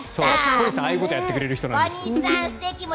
小西さん、ああいうことやってくれる人なんです。